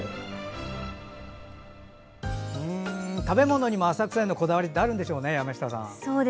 食べ物にも浅草へのこだわりってあるんでしょうね山下さん。